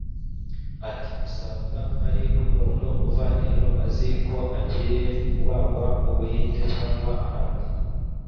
Ati “ Usanga hari nk’umuntu uva ino azi ko agiye kubagwa mu Buhinde cyangwa ahandi